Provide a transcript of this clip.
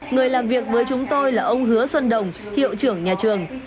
người làm việc với chúng tôi là ông hứa xuân đồng hiệu trưởng nhà trường